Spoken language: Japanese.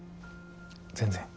全然。